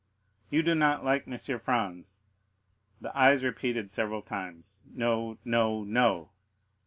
"You do not like M. Franz?" The eyes repeated several times, "No, no, no."